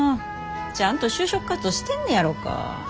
ちゃんと就職活動してんねやろか。